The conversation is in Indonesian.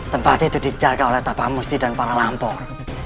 tempat itu dijaga oleh tapak busti dan para lampor